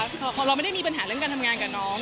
พอเราไม่ได้มีปัญหาเรื่องการทำงานกับน้อง